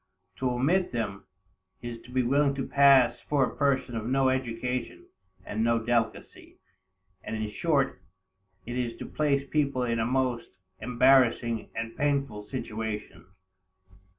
To omit them, is to be willing to pass for a person of no education, and no delicacy, and in short it is to place people in a most embarrassing and painful situation.